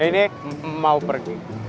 ini mau pergi